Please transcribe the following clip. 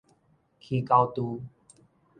起狗㧣